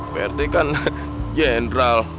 pak rete kan jendral